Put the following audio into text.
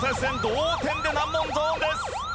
同点で難問ゾーンです。